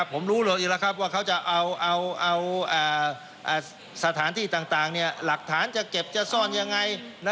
ผมรู้เราอีกแล้วครับว่าเขาจะเอาสถานที่ต่างหลักฐานจะเก็บจะซ่อนยังไง